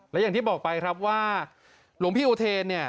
และอย่างที่บอกไปครับว่าหลวงพี่อุเทนเนี่ย